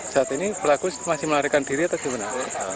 saat ini pelaku masih melarikan diri atau gimana